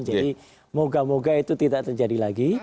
jadi moga moga itu tidak terjadi lagi